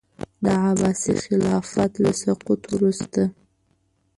د عباسي خلافت له سقوط وروسته.